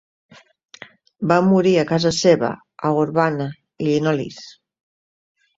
Va morir a casa seva, a Urbana, Illinois.